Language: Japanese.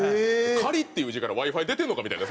「仮」っていう字からＷｉ−Ｆｉ出てんのかみたいな。